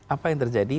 apa yang terjadi